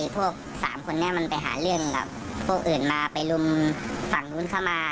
พวกสามคนนี้มันไปหาเรื่องกับพวกอื่นมาไปลุมฝั่งนู้นเข้ามา